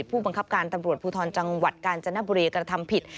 ที่ผู้บังคับการตำรวจภูทรจังหวัดการจนบูเรกธรรมผิด